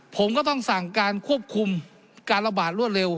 ผมก็ต้องสั่งการควบคุมการระบาดรวดเร็ว